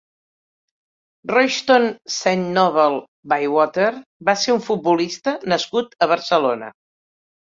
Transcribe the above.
Royston Saint Noble Bywater va ser un futbolista nascut a Barcelona.